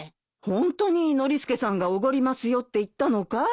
ホントにノリスケさんがおごりますよって言ったのかい？